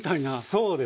そうですね。